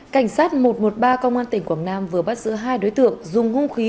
cảnh sát một trăm một mươi ba công an tỉnh quảng nam vừa bắt giữ hai đối tượng dùng hung khí